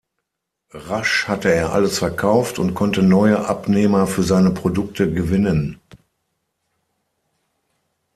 Rasch hatte er alles verkauft und konnte neue Abnehmer für seine Produkte gewinnen.